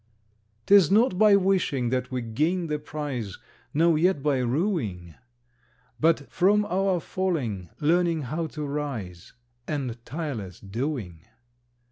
'Tis not by wishing that we gain the prize, Nor yet by ruing, But from our falling, learning how to rise, And tireless doing.